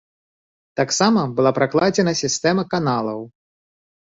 Таксама была пракладзена сістэма каналаў.